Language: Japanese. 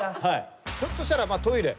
ひょっとしたらトイレ。